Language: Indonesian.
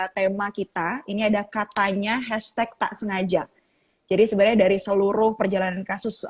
tema kita ini ada katanya hashtag tak sengaja jadi sebenarnya dari seluruh perjalanan kasus